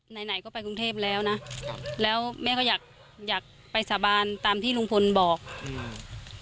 ไหนไหนก็ไปกรุงเทพแล้วนะครับแล้วแม่ก็อยากอยากไปสาบานตามที่ลุงพลบอกอืม